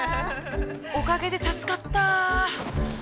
おかげで助かった